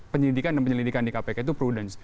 penyelidikan dan penyelidikan di kpk itu prudence